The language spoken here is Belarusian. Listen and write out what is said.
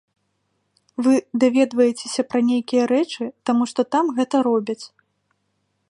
Вы даведваецеся пра нейкія рэчы, таму што там гэта робяць.